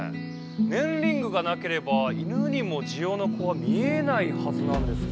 ねんリングがなければ犬にもジオノコは見えないはずなんですが。